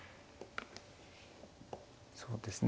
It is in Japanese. そうですね